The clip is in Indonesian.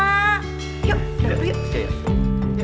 yuk dateng yuk